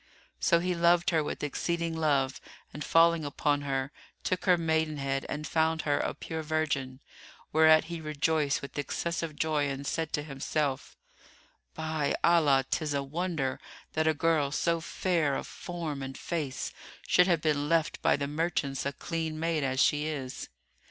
So he loved her with exceeding love and falling upon her, took her maidenhead and found her a pure virgin; whereat he rejoiced with excessive joy and said in himself, "By Allah, 'tis a wonder that a girl so fair of form and face should have been left by the merchants a clean maid as she is!"